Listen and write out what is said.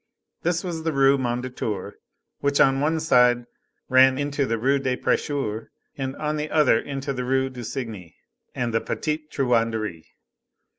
This was the Rue Mondétour, which on one side ran into the Rue de Prêcheurs, and on the other into the Rue du Cygne and the Petite Truanderie.